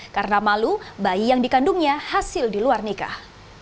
karena malu bayi yang dikandungnya hasil di luar nikah